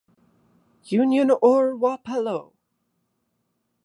Union or Wapello.